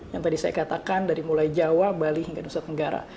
yang tadi saya katakan dari mulai jawa bali hingga nusa tenggara